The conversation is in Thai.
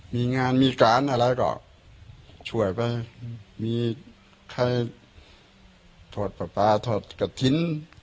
มีงานมีการอะไรก็ส่วยไหวมีใครถวดป่าพวดกัทธิน